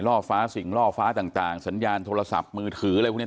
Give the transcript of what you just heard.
ล่อฟ้าสิ่งล่อฟ้าต่างสัญญาณโทรศัพท์มือถืออะไรพวกนี้